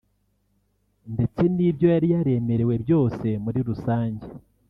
ndetse n’ibyo yari yaremerewe byose muri rusange